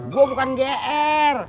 gue bukan gr